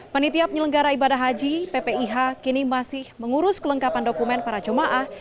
penitia penyelenggara ibadah haji ppih kini masih mengurus kelengkapan dokumen para jemaah